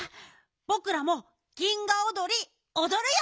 ぼくらも銀河おどりおどるよ！